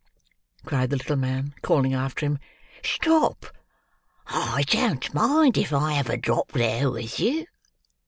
cried the little man, calling after him. "Stop! I don't mind if I have a drop there with you!"